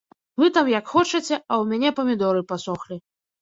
Вы там як хочаце, а ў мяне памідоры пасохлі.